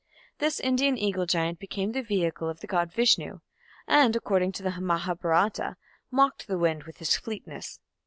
This Indian eagle giant became the vehicle of the god Vishnu, and, according to the Mahabharata, "mocked the wind with his fleetness".